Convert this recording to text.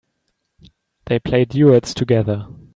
They play duets together.